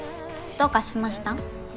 どうかしました？